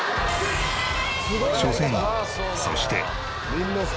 初戦そして。